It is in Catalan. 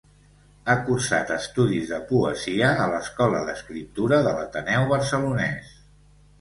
Ha cursat estudis de poesia a l'Escola d'Escriptura de l'Ateneu Barcelonès.